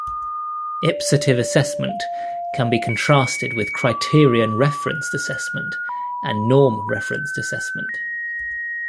Ipsative assessment can be contrasted with criterion-referenced assessment and norm-referenced assessment.